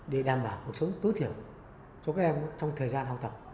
để đảm bảo cuộc sống tối thiểu cho các em trong thời gian học tập